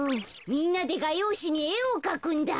みんなでがようしにえをかくんだ。